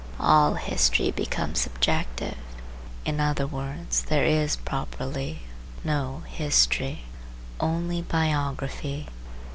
All history becomes subjective; in other words there is properly no history, only biography.